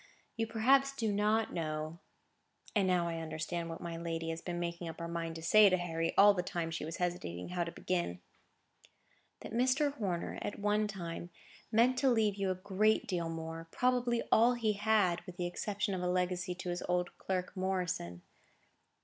You perhaps do not know" (and now I understood what my lady had been making up her mind to say to Harry, all the time she was hesitating how to begin) "that Mr. Horner, at one time, meant to leave you a great deal more; probably all he had, with the exception of a legacy to his old clerk, Morrison.